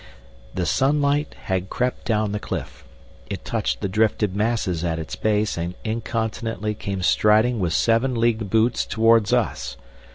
The sunlight had crept down the cliff, it touched the drifted masses at its base and incontinently came striding with seven leagued boots towards us.